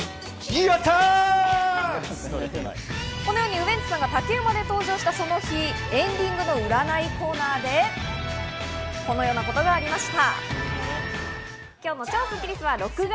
ウエンツさんが竹馬で登場したその日、エンディングの占いコーナーでこのようなことがありました。